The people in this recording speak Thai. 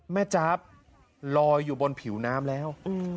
จ๊าบลอยอยู่บนผิวน้ำแล้ว